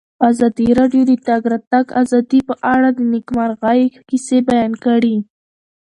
ازادي راډیو د د تګ راتګ ازادي په اړه د نېکمرغۍ کیسې بیان کړې.